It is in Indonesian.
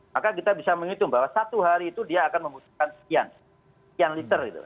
maka kita bisa menghitung bahwa satu hari itu dia akan membutuhkan sekian sekian liter gitu